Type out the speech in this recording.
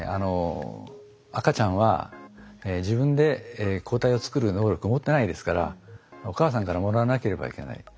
赤ちゃんは自分で抗体を作る能力を持ってないですからお母さんからもらわなければいけない。